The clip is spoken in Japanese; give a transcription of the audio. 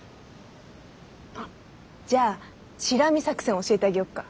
あっじゃあチラ見作戦教えてあげよっか。